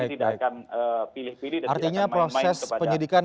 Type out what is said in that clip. mereka tidak akan pilih pilih dan tidak akan